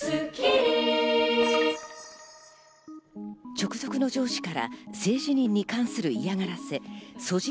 直属の上司から性自認に関する嫌がらせ、ＳＯＧＩ